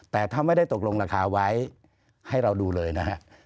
แต่ถ้าไม่ได้ตกลงราคาไว้ให้เราดูเลยนะฮะ